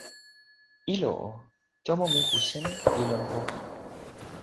ilo o, tomo moku seme li lon poka?